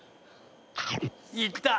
「いった！」